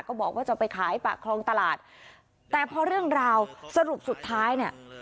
บอกว่าจะไปขายปากคลองตลาดแต่พอเรื่องราวสรุปสุดท้ายเนี่ย